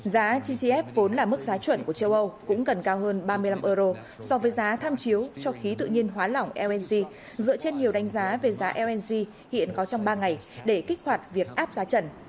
giá gcf vốn là mức giá chuẩn của châu âu cũng gần cao hơn ba mươi năm euro so với giá tham chiếu cho khí tự nhiên hóa lỏng lng dựa trên nhiều đánh giá về giá lng hiện có trong ba ngày để kích hoạt việc áp giá trần